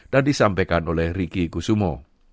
dan disampaikan oleh ricky kusumo